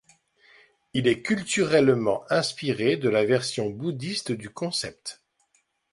Il est culturellement inspiré de la version bouddhiste du concept.